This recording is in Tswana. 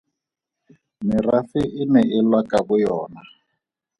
Merafe e ne e lwa ka boyona.